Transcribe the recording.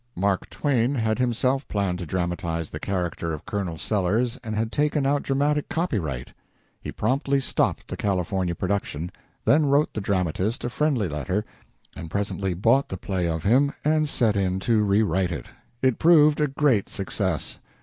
Mark Twain had himself planned to dramatize the character of Colonel Sellers and had taken out dramatic copyright. He promptly stopped the California production, then wrote the dramatist a friendly letter, and presently bought the play of him, and set in to rewrite it. It proved a great success.